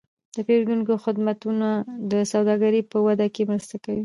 د پیرودونکو خدمتونه د سوداګرۍ په وده کې مرسته کوي.